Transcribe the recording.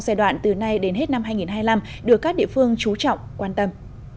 giai đoạn từ nay đến hết năm hai nghìn hai mươi năm được các địa phương trú trọng quan tâm